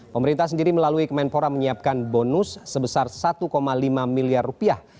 pemerintah sendiri melalui kemenpora menyiapkan bonus sebesar satu lima miliar rupiah